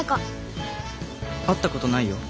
「会ったことないよ